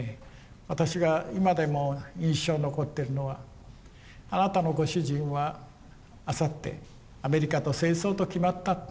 私が今でも印象に残ってるのはあなたのご主人はあさってアメリカと戦争と決まった。